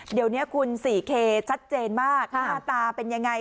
เดี๋ยวนี้คุณสีเคชัดเจนมากหน้าตาเป็นยังไง